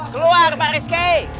keluar pak rizky